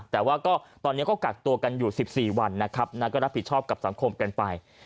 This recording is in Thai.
แต่ว่าก็ตอนนี้ก็กักตัวกันอยู่๑๔วันนะครับแล้วก็รับผิดชอบกับสังคมกันไป